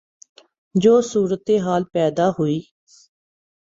جو صورتحال پیدا ہوئی